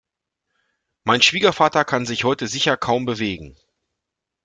Mein Schwiegervater kann sich heute sicher kaum bewegen.